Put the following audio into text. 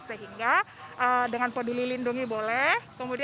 sehingga dengan peduli lindungi boleh